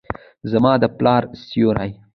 زما د پلار سیوري ،